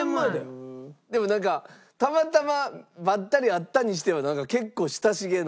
でもなんかたまたまバッタリ会ったにしてはなんか結構親しげな。